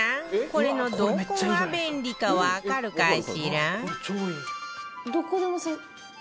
これのどこが便利かわかるかしら？